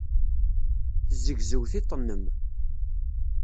Tezzegzew tiṭ-nnem.